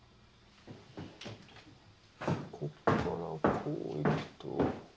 ここからこう行くと。